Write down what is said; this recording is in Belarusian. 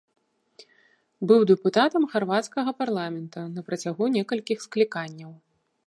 Быў дэпутатам харвацкага парламента на працягу некалькіх скліканняў.